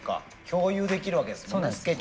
共有できるわけですもんね